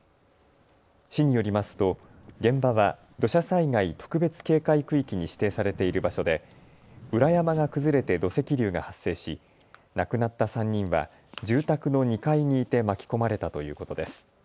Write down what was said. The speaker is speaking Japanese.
市によりますと現場は土砂災害特別警戒区域に指定されている場所で裏山が崩れて土石流が発生し亡くなった３人は住宅の２階にいて巻き込まれたということです。